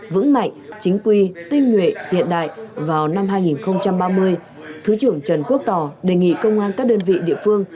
vững mạnh chính quy tinh nguyện hiện đại vào năm hai nghìn ba mươi thứ trưởng trần quốc tỏ đề nghị công an các đơn vị địa phương